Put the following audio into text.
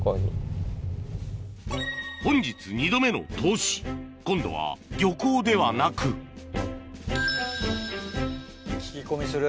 本日２度目の答志今度は漁港ではなく聞き込みする？